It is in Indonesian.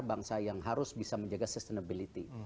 bangsa yang harus bisa menjaga sustainability